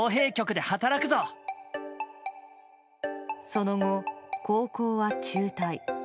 その後、高校は中退。